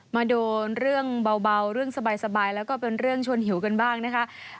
มาโดนเรื่องเบาเรื่องสบายแล้วก็เป็นเรื่องชวนหิวกันบ้างนะคะ